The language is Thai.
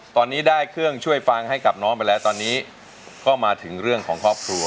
ตอนนี้ได้เครื่องช่วยฟังให้กับน้องไปแล้วตอนนี้ก็มาถึงเรื่องของครอบครัว